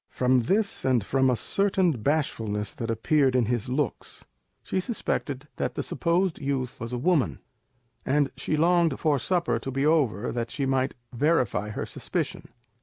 From this and from a certain bashfulness that appeared in his looks, she suspected that the supposed youth was a woman, and she longed for supper to be over that she might verify her suspicion.